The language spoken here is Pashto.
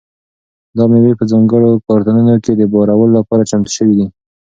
دا مېوې په ځانګړو کارتنونو کې د بارولو لپاره چمتو شوي دي.